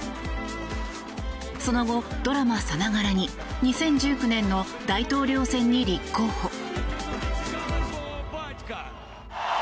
その後、ドラマさながらに２０１９年の大統領選に立候補。